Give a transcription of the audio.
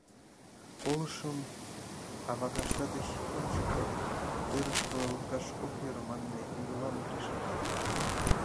Колышым авагашта деч ончыко, тӧрышкыла лукташ ок йӧрӧ манме йӱлам Гриша пала.